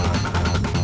terima kasih chandra